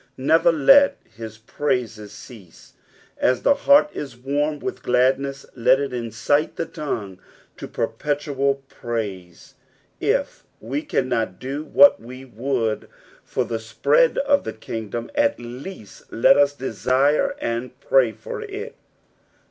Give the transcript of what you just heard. Never let his praises cease. As the heart is warm with gladness let it incite the tongoe to perpetual E raise. If we cannot do what we would for the spread of the kingdom, at least :t us desire and pray for it.